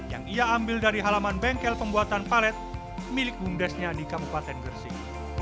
yang ia ambil dari halaman bengkel pembuatan palet milik bumdes nya di kabupaten gersik